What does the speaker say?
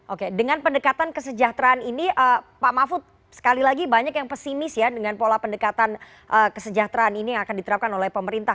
oke dengan pendekatan kesejahteraan ini pak mahfud sekali lagi banyak yang pesimis ya dengan pola pendekatan kesejahteraan ini yang akan diterapkan oleh pemerintah